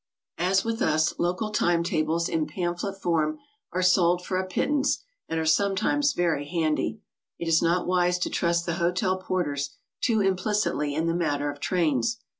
As with us, local time tables in pamphlet form are sold for a pittance, and are sometimes very handy. It is not wise to trust the hotel porters too impli'citly in the matter of trains.